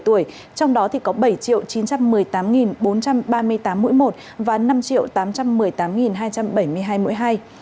trong đó có bảy chín trăm một mươi tám bốn trăm ba mươi tám mũi một và năm tám trăm một mươi tám hai trăm bảy mươi hai mũi hai